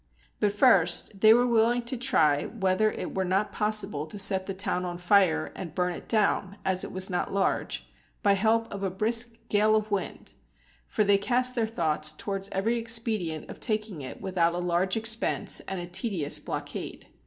But first they were willing to try whether it were not possible to set the town on fire, and burn it down, as it was not large, by help of a brisk gale of wind; for they cast their thoughts towards every expedient of taking it without a large expense and a tedious blockade.